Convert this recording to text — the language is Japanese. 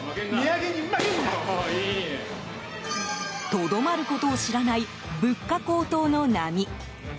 とどまることを知らない物価高騰の波。